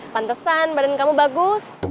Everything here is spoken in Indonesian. pantesan badan kamu bagus